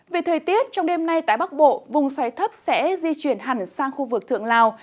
về thời tiết trong đêm nay tại bắc bộ vùng xoáy thấp sẽ di chuyển hẳn sang khu vực thượng lào